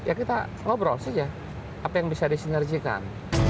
ya kita ngobrol saja apa yang bisa disinerjikan